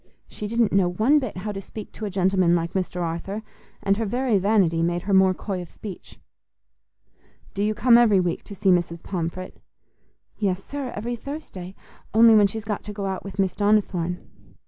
She didn't know one bit how to speak to a gentleman like Mr. Arthur, and her very vanity made her more coy of speech. "Do you come every week to see Mrs. Pomfret?" "Yes, sir, every Thursday, only when she's got to go out with Miss Donnithorne."